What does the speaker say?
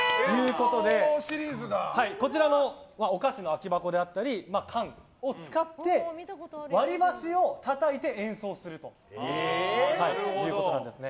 こちらのお菓子の空き箱であったり缶を使って割り箸をたたいて演奏するということなんですね。